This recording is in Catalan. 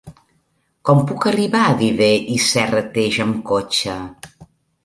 Com puc arribar a Viver i Serrateix amb cotxe?